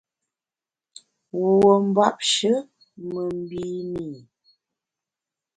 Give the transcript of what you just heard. Wuo mbapshe me mbine i.